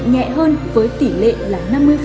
nhẹ hơn với tỷ lệ là năm mươi